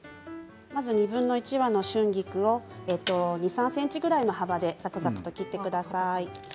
まず２分の１把の春菊を２、３ｃｍぐらいの幅でザクザク切ってください。